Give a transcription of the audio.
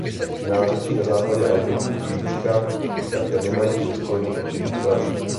Nářečí na západě a jihu Jutska také nemají připojený určitý člen.